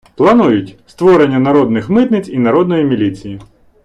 Планують: створення «народних митниць» і «народної міліції».